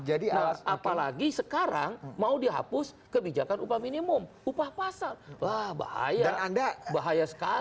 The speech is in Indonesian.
nah apalagi sekarang mau dihapus kebijakan upah minimum upah pasar wah bahaya bahaya sekali